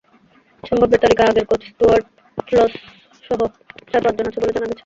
সম্ভাব্যের তালিকায় আগের coach Stewart লসহ চার-পাঁচজন আছেন বলে জানা গেছে।